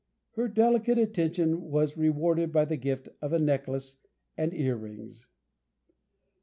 Her delicate attention was rewarded by the gift of a necklace and earrings.